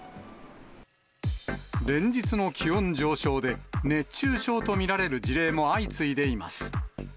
連日の気温上昇で、熱中症と見られる事例も相次いでいます。